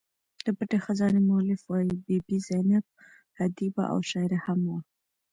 د پټې خزانې مولف وايي بي بي زینب ادیبه او شاعره هم وه.